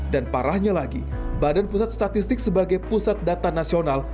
dan parahnya lagi badan pusat statistik sebagai pusat data nasional